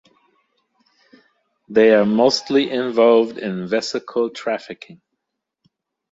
They are mostly involved in vesicle trafficking.